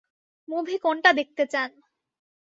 Movie কোনটা দেখতে চান?